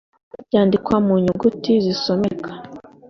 byandikwa mu nyuguti zisomeka